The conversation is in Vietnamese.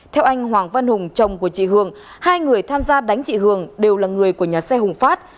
theo anh hoàng văn hùng chồng của chị hường hai người tham gia đánh chị hường đều là người của nhà xe hùng phát